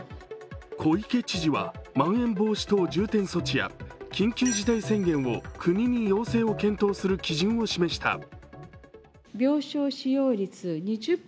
小池知事は、まん延防止等重点措置や緊急事態宣言を国に要請を検討する基準を示した。